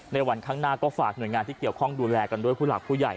วันข้างหน้าก็ฝากหน่วยงานที่เกี่ยวข้องดูแลกันด้วยผู้หลักผู้ใหญ่